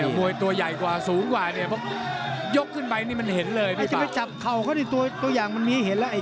ก็จะไปจับเขาตัวอย่างมันมีเห็นล่ะ